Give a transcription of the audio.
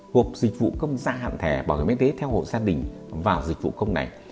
hộp dịch vụ công gia hạn thẻ bảo hiểm y tế theo hộ gia đình và dịch vụ công này